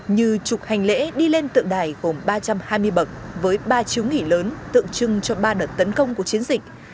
như trục hành lễ đi lên tượng đài gồm ba trăm hai mươi bậc với ba chiếu nghỉ lớn tượng trưng cho ba đợt tấn công của chiến dịch